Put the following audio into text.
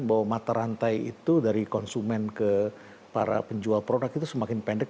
bahwa mata rantai itu dari konsumen ke para penjual produk itu semakin pendek